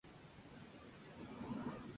Es el centro geográfico de la provincia.